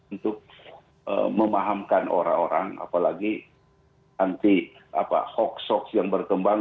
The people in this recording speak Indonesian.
untuk memahamkan orang orang apalagi anti hoax hoax yang berkembang